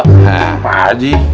hah pak ji